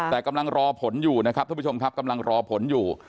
แต่กำลังรอผลอยู่นะครับท่านผู้ชมครับกำลังรอผลอยู่